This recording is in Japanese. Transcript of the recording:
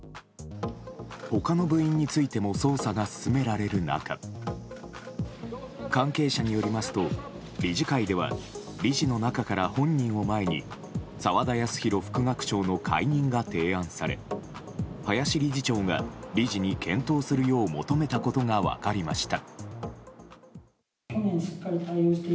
他の部員についても捜査が進められる中関係者によりますと理事会では理事の中から本人を前に澤田康広副学長の解任が提案され林理事長が理事に検討するよう求めたことが分かりました。